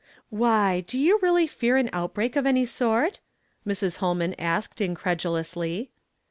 " Why, do you really fear an outbreak of a«y sort ?" Mrs. Holman asked incredulously.